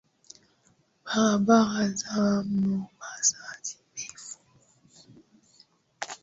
Barabara za Mombasa zimefungwa.